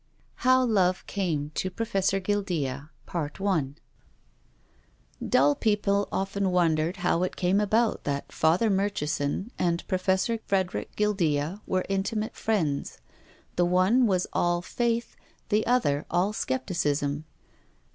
HOW LOVE CAME TO PROFESSOR GUILDEA, Dull people often wondered how it came about that Father Murchison and Professor Frederic Guildea were intimate friends. The one was all faith, the other all scepticism.